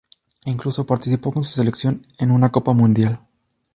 Incluso participó con su selección, en una Copa Mundial.